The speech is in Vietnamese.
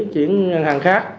chuyển ngân hàng khác